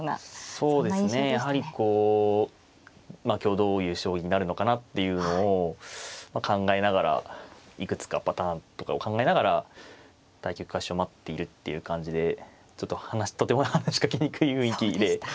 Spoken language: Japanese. そうですねやはりこう今日どういう将棋になるのかなっていうのを考えながらいくつかパターンとかを考えながら対局開始を待っているっていう感じでちょっととても話しかけにくい雰囲気で。